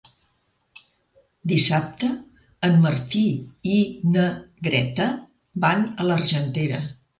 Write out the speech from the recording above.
Dissabte en Martí i na Greta van a l'Argentera.